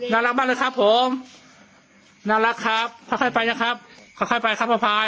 น่ารักมากเลยครับผมน่ารักครับขอให้ไปนะครับขอให้ไปครับพ่อพาย